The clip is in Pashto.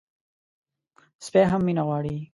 سپي هم مینه غواړي.